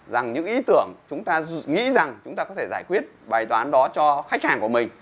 rằng những ý tưởng chúng ta nghĩ rằng chúng ta có thể giải quyết bài toán đó cho khách hàng của mình